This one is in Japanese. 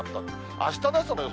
あしたの朝の予想